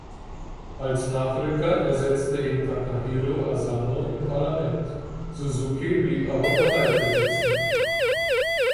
Als Nachrücker ersetzte ihn Takahiro Asano im Parlament, Suzuki blieb aber Parteivorsitzender.